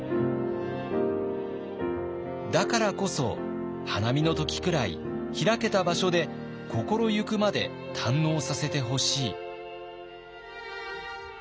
だからこそ花見の時くらい開けた場所で心行くまで堪能させてほしい。